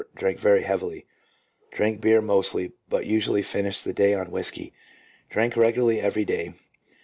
345 drank very heavily. Drank beer mostly, but usually finished the day on whisky. Drank regularly every day.